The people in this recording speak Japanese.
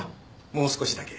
もう少しだけ。